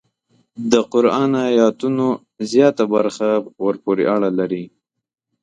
د قران ایتونو زیاته برخه ورپورې اړه لري.